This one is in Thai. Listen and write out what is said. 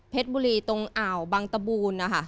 เพชรบุรีตรงอ่าวบางตบูรณ์